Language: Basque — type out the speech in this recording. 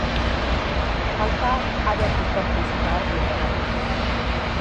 Falta areatik kanpo izan da argi eta garbi.